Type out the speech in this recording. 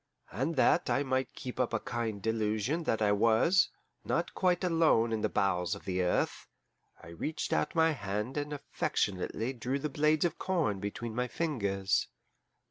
And that I might keep up a kind delusion that I was not quite alone in the bowels of the earth, I reached out my hand and affectionately drew the blades of corn between my fingers.